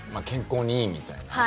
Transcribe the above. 健康にいいみたいな？